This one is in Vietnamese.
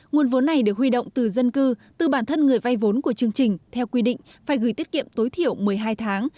nguồn vốn này được huy động từ dân cư từ bản thân người vay vốn của chương trình theo quy định phải gửi tiết kiệm tối thiểu một mươi hai tháng